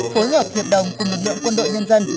phối hợp thiệt đồng của lực lượng quân đội nhân dân